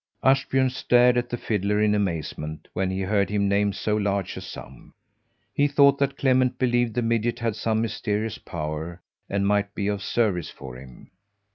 Ashbjörn stared at the fiddler in amazement when he heard him name so large a sum. He thought that Clement believed the midget had some mysterious power and might be of service for him.